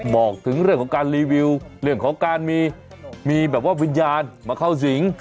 บอกถึงเรื่องของการรีวิวเรื่องของการมีแบบว่าวิญญาณมาเข้าสิง